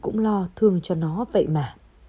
cũng lo thương cho nó vậy mà